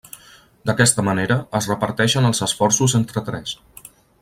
D'aquesta manera es reparteixen els esforços entre tres.